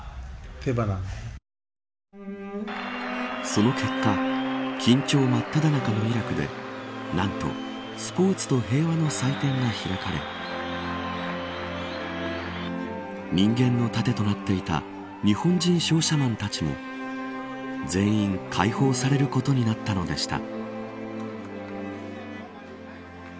その結果緊張まっただ中のイラクでなんとスポーツと平和の祭典が開かれ人間の盾となっていた日本人商社マンたちも全員解放されることになったのでした。